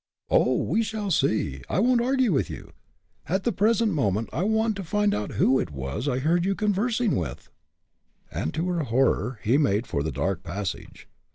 "Oh! we shall see. I won't argue with you. At the present moment I want to find out who it was I heard you conversing with!" And to her horror he made for the dark passage.